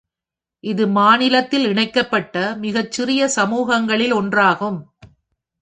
இது மாநிலத்தில் இணைக்கப்பட்ட மிகச்சிறிய சமூகங்களில் ஒன்றாகும்.